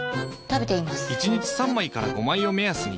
１日３枚から５枚を目安に。